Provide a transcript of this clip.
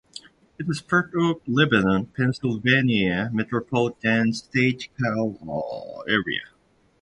It is part of the Lebanon, Pennsylvania Metropolitan Statistical Area.